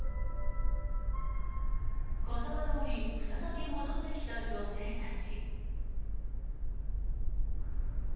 言葉どおり再び戻ってきた女性たち。